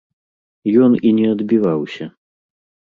Ён і не адбіваўся.